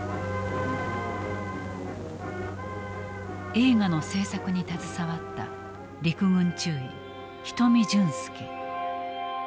映画の制作に携わった陸軍中尉人見潤介。